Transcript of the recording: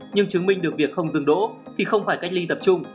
nhưng chứng minh được việc không dừng đỗ thì không phải cách ly tập trung